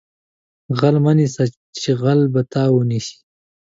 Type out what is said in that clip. غل مه نیسه چې غل به تا ونیسي